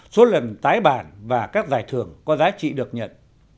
số lần tái bản và các giải thưởng có giá trị được nhận